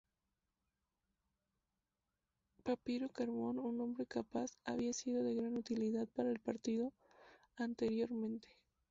Papirio Carbón, un hombre capaz, había sido de gran utilidad para el partido anteriormente.